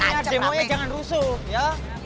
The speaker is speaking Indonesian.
tapi tenang ya demonya jangan rusuk ya